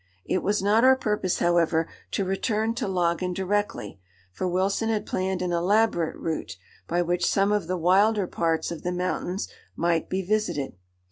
It was not our purpose, however, to return to Laggan directly, for Wilson had planned an elaborate route, by which some of the wilder parts of the mountains might be visited.